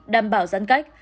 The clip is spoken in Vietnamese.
đảm bảo giãn cách